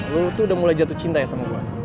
lo tuh udah mulai jatuh cinta ya sama gue